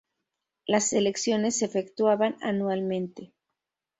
Las elecciones se efectuaban anualmente.